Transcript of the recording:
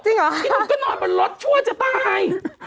พี่หนุ่มก็นอนบนรถชั่วจะตาย